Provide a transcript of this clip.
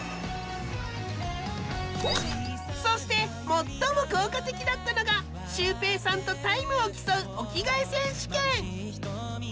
そして最も効果的だったのがシュウペイさんとタイムを競うお着替え選手権！